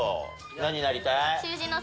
何になりたい？